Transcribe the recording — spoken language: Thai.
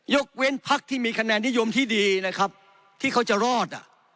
ยกเว้นพักที่มีคะแนนนิยมที่ดีนะครับที่เขาจะรอด